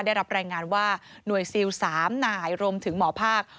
ได้รับรายงานว่าหน่วยซิล๓นายรวมถึงหมอภาค